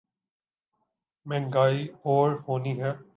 مہنگائی اور ہونی ہے۔